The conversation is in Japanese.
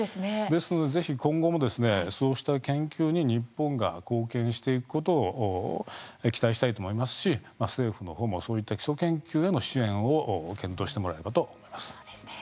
ですので、ぜひ今後もそうした研究に日本が貢献をしていくことを期待したいと思いますし政府のほうもそういった基礎研究への支援を検討してもらえればと思います。